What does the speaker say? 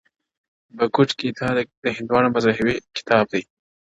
o بگوت گيتا د هندوانو مذهبي کتاب ـ